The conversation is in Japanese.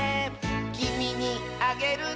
「きみにあげるね」